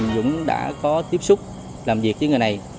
dũng đã có tiếp xúc làm việc với người này